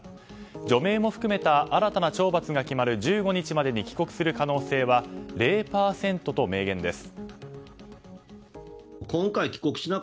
除名も含めた新たな懲罰が決まる１５日までに帰国する可能性は０％と明言です。